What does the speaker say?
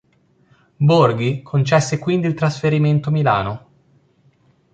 Borghi concesse quindi il trasferimento a Milano.